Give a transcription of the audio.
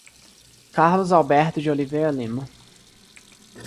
Carlos Alberto de Oliveira Lima